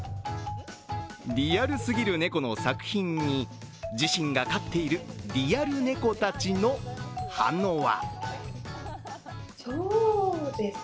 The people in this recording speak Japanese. リアルすぎる猫の作品に、自身が飼っているリアル猫たちの反応は？